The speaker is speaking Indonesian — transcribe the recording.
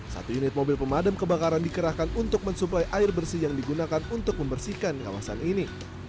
satu unit mobil pemadam kebakaran dikerahkan untuk mensuplai air bersih yang digunakan untuk membersihkan kawasan ini